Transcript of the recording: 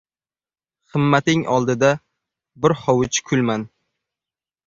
Himmating oldida bir hovuch kulman